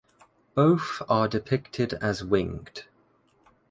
Both are depicted as winged.